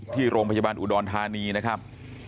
ที่โรงพยาบาลอุดรธานีนะครับ